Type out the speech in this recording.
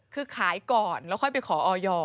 คือขายก่อนแล้วค่อยไปขอออย